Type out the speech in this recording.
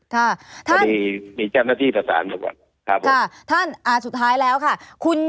เพราะดีจ้านน้ที่ผสานต่อก่อน